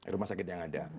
rumah sakit yang ada